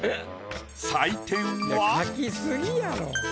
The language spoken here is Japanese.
採点は。